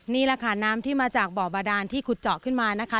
นี่แหละค่ะน้ำที่มาจากบ่อบาดานที่ขุดเจาะขึ้นมานะคะ